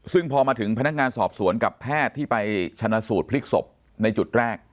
ซึ่งพอมาถึงพนักงานสอบสวนกับแพทย์ที่ไปชนะสูตรพลิกศพในจุดแรก